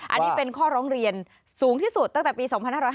อันนี้เป็นข้อร้องเรียนสูงที่สุดตั้งแต่ปี๒๕๕๙